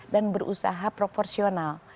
dan berusaha proporsional